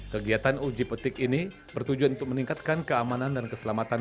kegiatan uji petik ini bertujuan untuk meningkatkan keamanan dan keselamatan